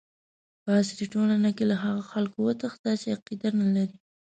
په عصري ټولنه کې له هغو خلکو وتښته چې عقیده نه لري.